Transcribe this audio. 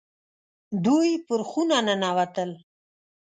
دوی پر خونه ننوتل.